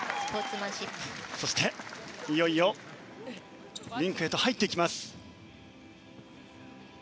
そしていよいよリンクへと入っていきます。